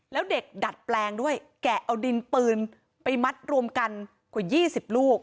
แล้วเด็กดัดแปลงด้วยแกะเอาดินปืนไปมัดรวมกันกว่า๒๐ลูก